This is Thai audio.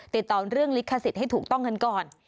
ติดต่อเรื่องลิขสิทธิ์ให้ถูกต้องกันก่อน